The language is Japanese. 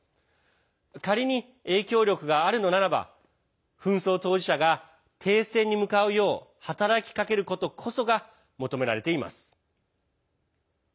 仮に影響力があるのならば紛争当事者が停戦に向かうよう働きかけることこそが求められています。